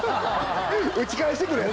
打ち返してくるヤツ？